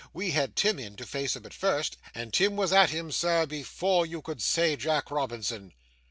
We had Tim in to face him at first, and Tim was at him, sir, before you could say "Jack Robinson."